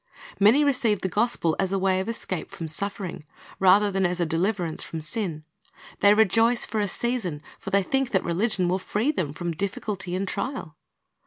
Many receive the gospel as a way of escape from suffering, rather than as a deliver ance from sin. They rejoice for a season, for they think that religion will free them from difficulty and trial.